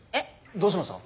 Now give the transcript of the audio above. どうしました？